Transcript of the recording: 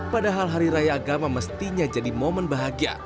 padahal hari raya agama mestinya jadi momen bahagia